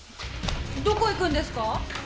どこ行くんですか？